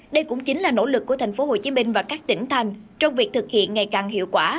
đây cũng chính là nỗ lực của tp hcm và các tỉnh thành trong việc thực hiện ngày càng hiệu quả